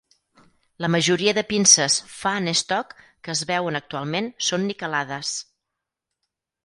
La majoria de pinces Fahnestock que es veuen actualment són niquelades.